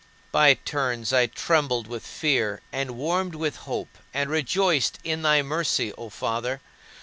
9. By turns I trembled with fear and warmed with hope and rejoiced in thy mercy, O Father.